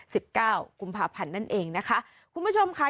สิบเก้ากุมภาพันธ์นั่นเองนะคะคุณผู้ชมค่ะ